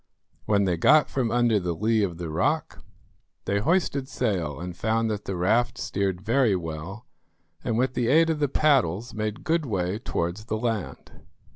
When they got from under the lee of the rock, they hoisted sail and found that the raft steered very well, and with the aid of the paddles made good way towards the land.